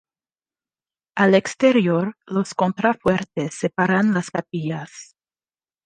Al exterior los contrafuertes separan las capillas.